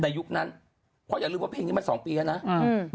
ยุคนั้นเพราะอย่าลืมว่าเพลงนี้มาสองปีแล้วนะอืม